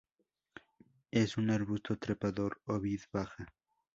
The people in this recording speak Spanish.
Es un arbusto trepador o vid baja.